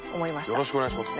よろしくお願いします。